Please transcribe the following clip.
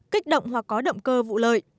kích động hoặc có động cơ vụ lợi